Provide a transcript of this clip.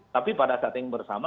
tapi pada saat yang bersama